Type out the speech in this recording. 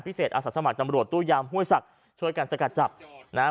อาสาสมัครตำรวจตู้ยามห้วยศักดิ์ช่วยกันสกัดจับนะฮะ